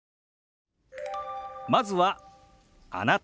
まずは「あなた」。